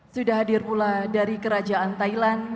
sudah hadir pula dari kerajaan thailand